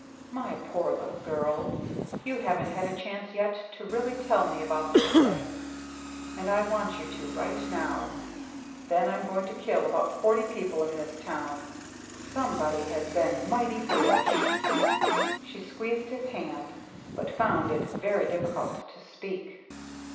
"My poor Little Girl! You haven't had a chance yet to really tell me about this thing, and I want you to right now. Then I'm going to kill about forty people in this town! Somebody has been mighty foolish." She squeezed his hand, but found it very difficult to speak.